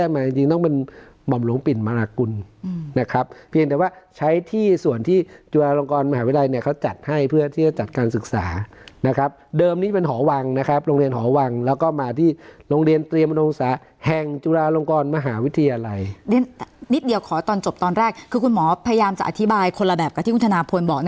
หมายจริงต้องเป็นหม่อมหลวงปิ่นมรากุลนะครับเพียงแต่ว่าใช้ที่ส่วนที่จุฬาลงกรมหาวิทยาลัยเนี่ยเขาจัดให้เพื่อที่จะจัดการศึกษานะครับเดิมนี้เป็นหอวังนะครับโรงเรียนหอวังแล้วก็มาที่โรงเรียนเตรียมศาแห่งจุฬาลงกรมหาวิทยาลัยนิดเดียวขอตอนจบตอนแรกคือคุณหมอพยายามจะอธิบายคนละแบบกับที่คุณธนาพลบอก